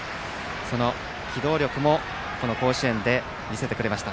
その機動力もこの甲子園で見せてくれました。